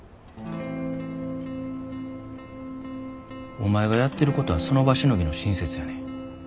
お前がやってることはその場しのぎの親切やねん。